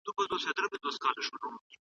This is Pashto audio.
خارجي پانګه د لنډ وخت لپاره وي.